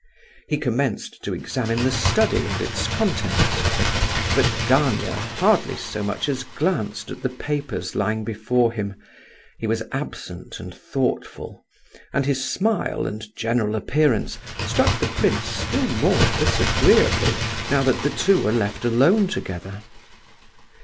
He commenced to examine the study and its contents. But Gania hardly so much as glanced at the papers lying before him; he was absent and thoughtful, and his smile and general appearance struck the prince still more disagreeably now that the two were left alone together.